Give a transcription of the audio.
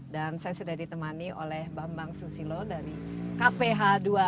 dan saya sudah ditemani oleh bambang susilo dari kph dua puluh lima